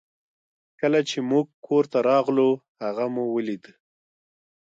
کله چې موږ کور ته راغلو هغه مو ولید